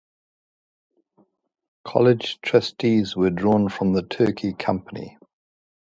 College trustees were drawn from the Turkey Company.